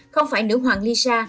không phải nữ hoàng lisa